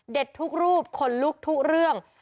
ทุกรูปขนลุกทุกเรื่อง